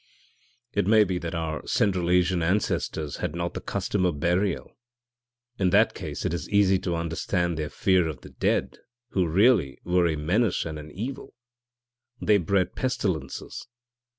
'It may be that our Central Asian ancestors had not the custom of burial. In that case it is easy to understand their fear of the dead, who really were a menace and an evil. They bred pestilences.